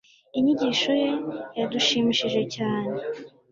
Inyigisho ye yadushimishije cyane.